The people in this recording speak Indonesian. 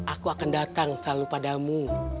aku akan datang selalu padamu